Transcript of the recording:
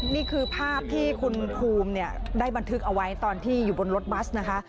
นี่คือภาพที่คุณภูมิเนี่ยได้บันทึกเอาไว้ตอนที่อยู่บนรถบัสนะคะ